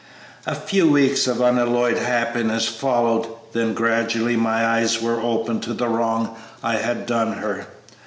"A few weeks of unalloyed happiness followed; then gradually my eyes were opened to the wrong I had done her.